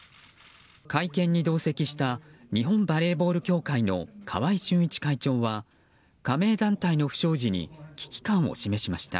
会見に同席した日本バレーボール協会の川合俊一会長は加盟団体の不祥事に危機感を示しました。